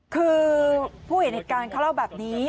คือผู้เห็นเหตุการณ์เขาเล่าแบบนี้